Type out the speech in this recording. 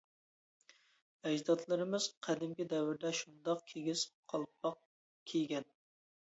ئەجدادلىرىمىز قەدىمكى دەۋردە شۇنداق كىگىز قالپاق كىيگەن.